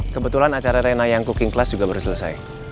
kebetulan acara rena yang cooking class juga baru selesai